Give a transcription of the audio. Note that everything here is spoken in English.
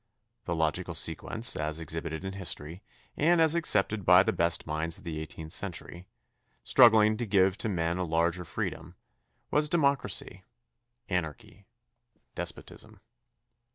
The logical sequence as exhibited in history and as accepted by the best minds of the eighteenth century, struggling to give to men a larger freedom, was de mocracy — anarchy — despotism.